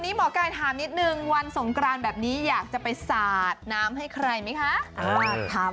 นี่หมอกายถามวันสงกรรณแบบนี้อยากจะไปสาดน้ำให้ใครมั้ยคะ